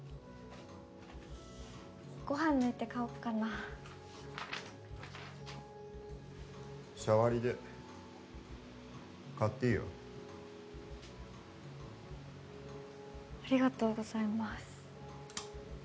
ご飯抜いて買おっかな社割で買っていいよありがとうございます